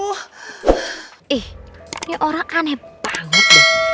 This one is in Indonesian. eh ini orang aneh banget deh